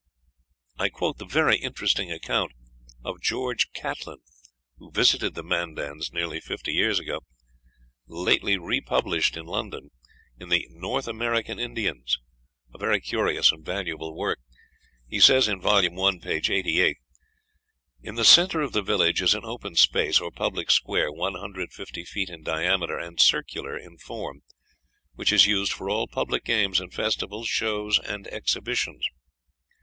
I quote the very interesting account of George Catlin, who visited the Mandans nearly fifty years ago, lately republished in London in the "North American Indians," a very curious and valuable work. He says (vol. i., p. 88): "In the centre of the village is an open space, or public square, 150 feet in diameter and circular in form, which is used for all public games and festivals, shows and exhibitions.